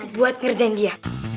buat ngerjain dia